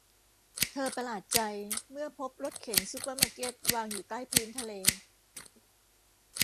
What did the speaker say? เธอประหลาดใจเมื่อพบรถเข็นซูเปอร์มาร์เก็ตวางอยู่ใต้พื้นทะเล